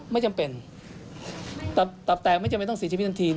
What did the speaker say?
ไม่จำเป็นตับตับแตกไม่จำเป็นต้องเสียชีวิตทันที